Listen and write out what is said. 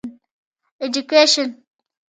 ايجوکيشن